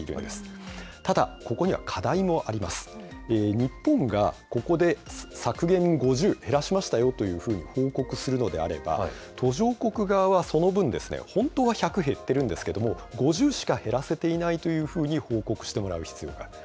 日本がここで削減量５０減らしましたよというふうに報告するのであれば、途上国側はその分、本当は１００減ってるんですけれども、５０しか減らせていないというふうに報告してもらう必要がある。